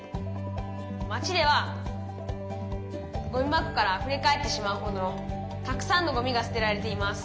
「町ではゴミ箱からあふれ返ってしまうほどのたくさんのゴミがすてられています」。